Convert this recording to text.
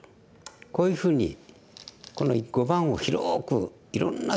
こういうふうにこの碁盤を広くいろんな図を作ってみる。